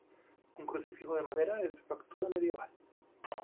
Un crucifijo de madera es de factura medieval.